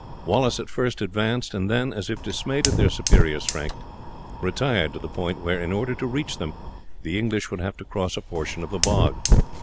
Wallace at first advanced, and then, as if dismayed at their superior strength, retired to the point where, in order to reach them, the English would have to cross a portion of the bog.